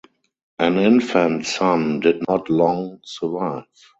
An infant son did not long survive.